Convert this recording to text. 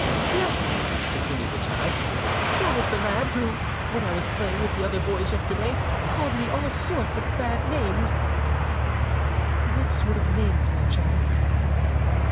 "Yes," continued the child, "that is the lad who, when I was playing with the other boys yesterday, called me all sorts of bad names." "What sort of names, my child?"